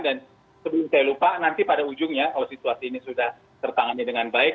sebelum saya lupa nanti pada ujungnya kalau situasi ini sudah tertangani dengan baik